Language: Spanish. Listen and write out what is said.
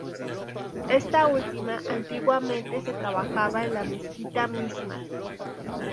Esta última, antiguamente se trabajaba en la mezquita misma.